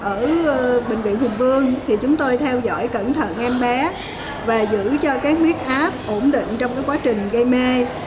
ở bệnh viện hùng vương thì chúng tôi theo dõi cẩn thận em bé và giữ cho các nguyết áp ổn định trong quá trình gây mê